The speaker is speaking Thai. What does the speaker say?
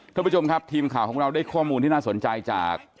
ท่านผู้ชมครับทีมข่าวของเราได้ข้อมูลที่น่าสนใจจาก